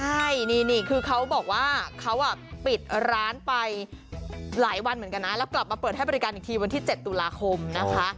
ใช่นี่คือเขาบอกว่าเขาปิดร้านไปหลายวันเหมือนกันนะแล้วกลับมาเปิดให้บริการอีกทีวันที่๗ตุลาคมนะคะ